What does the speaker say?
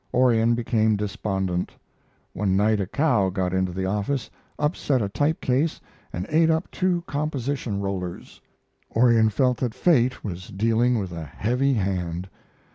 Orion became despondent. One night a cow got into the office, upset a typecase, and ate up two composition rollers. Orion felt that fate was dealing with a heavy hand.